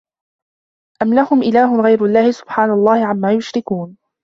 أَم لَهُم إِلهٌ غَيرُ اللَّهِ سُبحانَ اللَّهِ عَمّا يُشرِكونَ